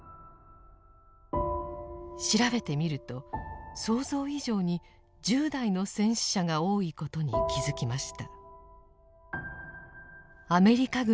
調べてみると想像以上に１０代の戦死者が多いことに気付きました。